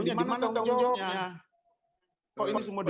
dimana tanggung jawabnya